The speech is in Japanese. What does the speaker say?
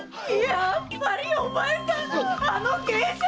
やっぱりお前さんあの芸者に！